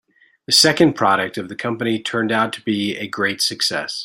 The second product of the company turned out to be a great success.